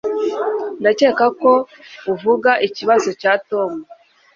Ndakeka ko uvuga ikibazo cya Tom